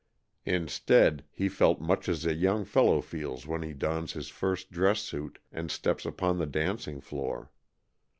Instead, he felt much as a young fellow feels when he dons his first dress suit and steps upon the dancing floor.